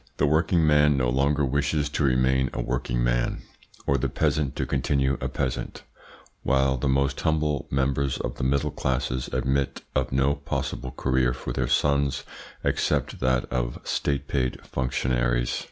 The working man no longer wishes to remain a working man, or the peasant to continue a peasant, while the most humble members of the middle classes admit of no possible career for their sons except that of State paid functionaries.